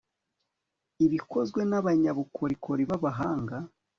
ibikozwe n'abanyabukorikori b'abahanga